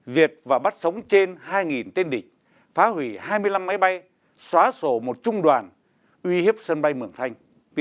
diệt và bắt sống trên hai tên địch phá hủy hai mươi năm máy bay xóa sổ một trung đoàn uy hiếp sân bay mường thanh